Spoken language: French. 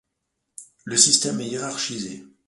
Le système est hiérarchisé.